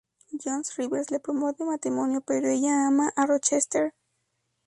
John Rivers le propone matrimonio, pero ella ama a Rochester.